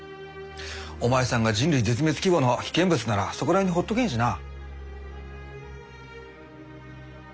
お前さんが人類絶滅規模の危険物ならそこら辺にほっとけんしな。